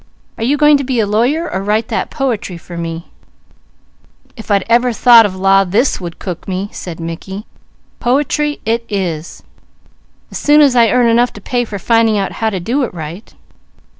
Are you going to be a lawyer or write that poetry for me?" "If I'd ever even thought of law, this would cook me," said Mickey. "Poetry it is, as soon as I earn enough to pay for finding out how to do it right."